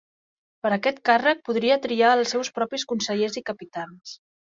Per aquest càrrec podia triar els seus propis consellers i capitans.